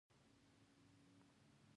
د وظیفې تحلیل د معیارونو د پیژندنې پروسه ده.